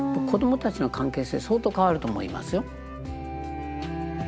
子どもたちの関係性相当変わると思いますよ。